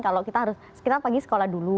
kalau kita harus kita pagi sekolah dulu